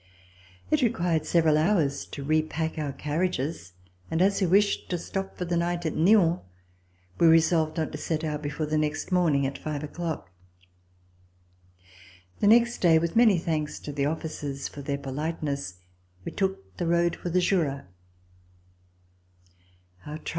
It required several hours to repack our carriages, and as we wished to stop for the night at Nyon, we resolved not to set out before the next morning at five o'clock. The next day, with many thanks to the officers for their polite ness, we took the road for the Jura.